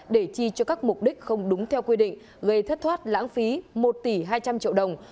để chi cho các mục đích không đúng theo quy định gây thất thoát lãng phí một tỷ hai trăm linh triệu đồng